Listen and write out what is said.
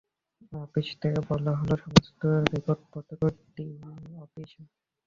Office থেকে বলা হলো, সমস্ত রেকর্ডপত্র ডিন অফিসে।